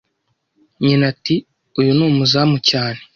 nyina ati: "Uyu ni umuzamu cyane"